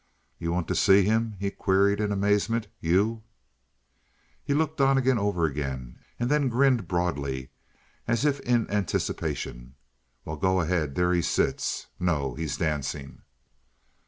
"You want to see him?" he queried in amazement. "You?" He looked Donnegan over again, and then grinned broadly, as if in anticipation. "Well, go ahead. There he sits no, he's dancing."